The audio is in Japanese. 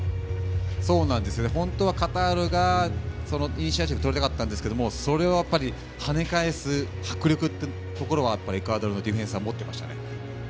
本当はカタールがイニシアチブとりたかったんですけどそれを跳ね返す迫力というところエクアドルのディフェンスは持っていましたね。